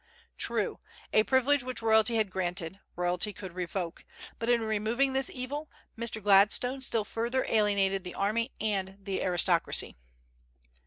True, a privilege which royalty had granted, royalty could revoke; but in removing this evil Mr. Gladstone still further alienated the army and the aristocracy.